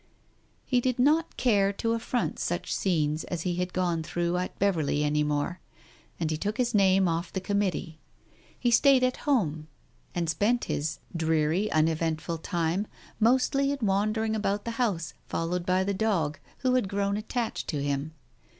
He did not care to affront such scenes as he had gone through at Beverley any more, and he took his name off the Committee. He stayed at home and spent this dreary, Digitized by Google THE TIGER SKIN 295 uneventful time mostly in wandering about the house followed by the dog, who had grown attached to him.